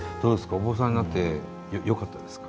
お坊さんになってよかったですか？